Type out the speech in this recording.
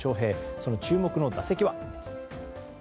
その注目の打席は。